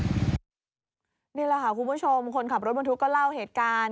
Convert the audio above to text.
นี่แหละค่ะคุณผู้ชมคนขับรถบรรทุกก็เล่าเหตุการณ์